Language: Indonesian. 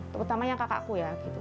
terutamanya kakakku ya gitu